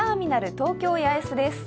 東京八重洲です。